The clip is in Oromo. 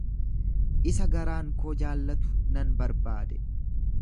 Isa garaan koo jaallatu nan barbaade.